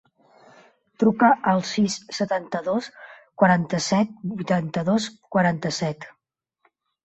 Truca al sis, setanta-dos, quaranta-set, vuitanta-dos, quaranta-set.